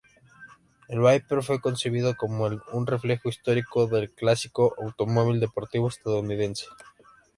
El Viper fue concebido como un reflejo histórico del clásico automóvil deportivo estadounidense.